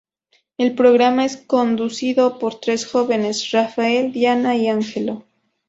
El programa es conducido por tres jóvenes: Rafael, Diana y Angelo.